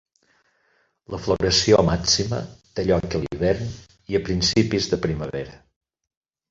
La floració màxima té lloc a l'hivern i a principis de primavera.